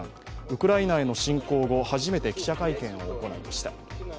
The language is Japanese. ウクライナへの侵攻後、初めて記者会見を行いました。